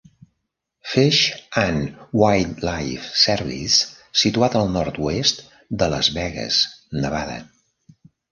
Fish and Wildlife Service, situat al nord-oest de Las Vegas, Nevada.